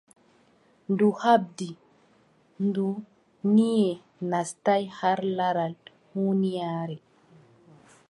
Ndu haɓdi, ndu, nyiʼe naastaay har laral huunyaare.